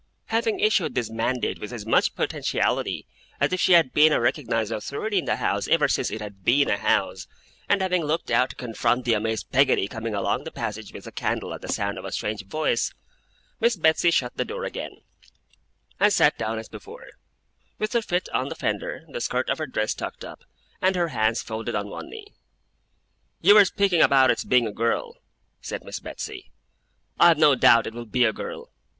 Having issued this mandate with as much potentiality as if she had been a recognized authority in the house ever since it had been a house, and having looked out to confront the amazed Peggotty coming along the passage with a candle at the sound of a strange voice, Miss Betsey shut the door again, and sat down as before: with her feet on the fender, the skirt of her dress tucked up, and her hands folded on one knee. 'You were speaking about its being a girl,' said Miss Betsey. 'I have no doubt it will be a girl.